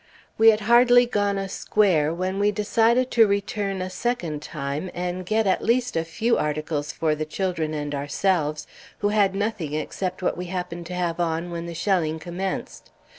We had hardly gone a square when we decided to return a second time, and get at least a few articles for the children and ourselves, who had nothing except what we happened to have on when the shelling commenced.